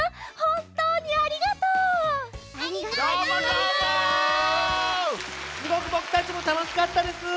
すごくぼくたちもたのしかったです。